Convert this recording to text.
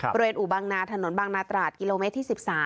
บริเวณอุบังนาถนนบางนาตราดกิโลเมตรที่๑๓